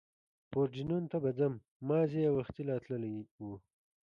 پورډېنون ته به ځم، مازې یې وختي لا تللي و.